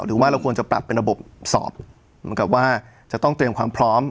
หรือว่าเราควรจะปรับเป็นระบบสอบเหมือนกับว่าจะต้องเตรียมความพร้อม